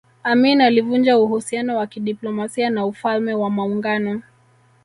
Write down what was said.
Amin alivunja uhusiano wa kidiplomasia na Ufalme wa Maungano